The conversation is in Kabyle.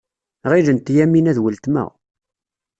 Ɣilent Yamina d weltma.